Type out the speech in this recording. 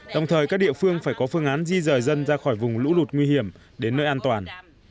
đồng thời các địa phương phải có phương án di rời dân ra khỏi vùng lũ lụt nguy hiểm đến nơi an toàn